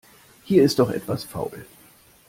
Hier ist doch etwas faul.